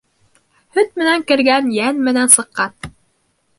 Һөт менән кергән йән менән сыҡҡан.